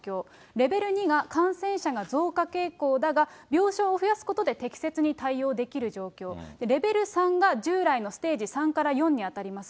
レベル２が増加傾向だが、病床を増やすことで適切に対応できる状況、レベル３が従来のステージ３から４に当たります。